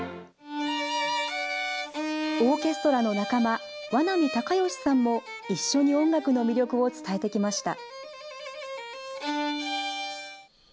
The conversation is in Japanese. オーケストラの仲間、和波孝禧さんも、一緒に音楽の魅力を伝えてきました。